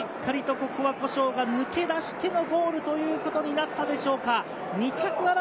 しっかりとここは古性が抜き出してのホームということになったでしょうか。